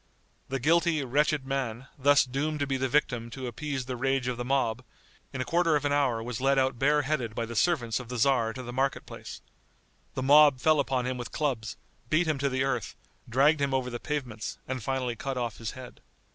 The guilty, wretched man, thus doomed to be the victim to appease the rage of the mob, in a quarter of an hour was led out bareheaded by the servants of the tzar to the market place. The mob fell upon him with clubs, beat him to the earth, dragged him over the pavements, and finally cut off his head.